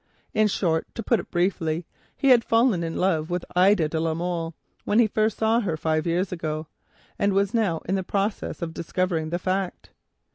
In short, he had fallen in love with Ida de la Molle when he first saw her five years ago, and was now in the process of discovering the fact.